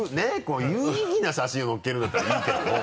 こう有意義な写真をのっけるんだったらいいけども。